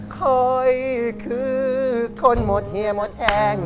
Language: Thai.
คนขึ้นคนหมดเมียมนี่แข็ง